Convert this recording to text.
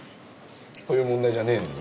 そういう問題じゃねえのに？